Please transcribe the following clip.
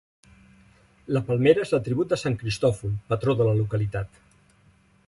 La palmera és l'atribut de sant Cristòfol, patró de la localitat.